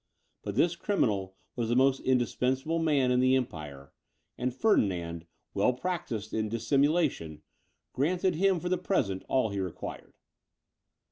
But this criminal was the most indispensable man in the empire, and Ferdinand, well practised in dissimulation, granted him for the present all he required.